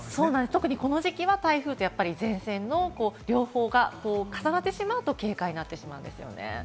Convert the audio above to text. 特にこの時期は台風と前線の両方が重なってしまうと警戒となってしまうんですね。